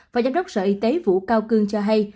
và giám đốc sở y tế vũ cao cương cho hay